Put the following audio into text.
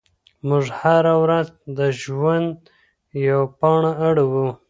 موږ هره ورځ د ژوند یوه پاڼه اړوو.